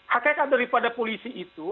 hakikat daripada polisi itu